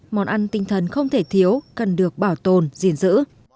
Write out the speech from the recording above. món ăn tinh thần không thể thiếu cần được bảo tồn diễn dữ